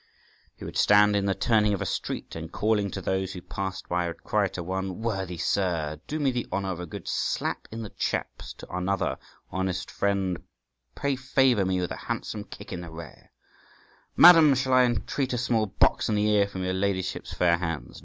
He would stand in the turning of a street, and calling to those who passed by, would cry to one, "Worthy sir, do me the honour of a good slap in the chaps;" to another, "Honest friend, pray favour me with a handsome kick in the rear;" "Madam, shall I entreat a small box in the ear from your ladyship's fair hands?"